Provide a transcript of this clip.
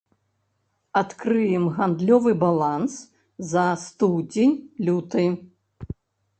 Адкрыем гандлёвы баланс за студзень-люты.